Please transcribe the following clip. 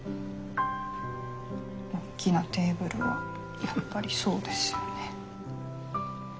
大きなテーブルはやっぱりそうですよね。